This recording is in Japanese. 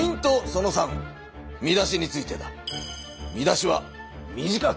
その３見出しについてだ。